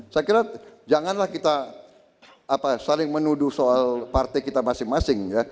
saya kira janganlah kita saling menuduh soal partai kita masing masing